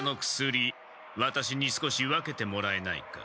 ワタシに少し分けてもらえないか？